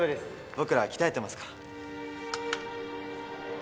僕らは鍛えてますから。